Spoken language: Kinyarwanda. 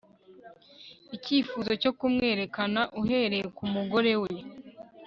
icyifuzo cyo kumwerekana uhereye kumugore we